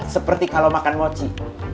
seperti kalau makan mochi